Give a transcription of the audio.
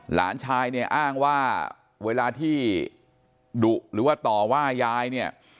หลานชายเนี่ยอ้างว่าเวลาที่ดุหรือว่าต่อว่ายายเนี่ย